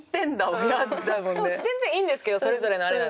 全然いいんですけどそれぞれのあれなんで。